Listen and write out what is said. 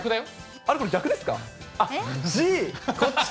あれ、これ逆ですか。